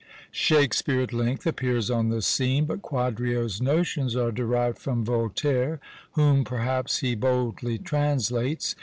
Shakspeare at length appears on the scene; but Quadrio's notions are derived from Voltaire, whom, perhaps, he boldly translates.